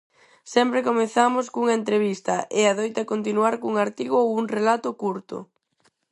Sempre comezamos cunha entrevista, e adoita continuar cun artigo ou un relato curto.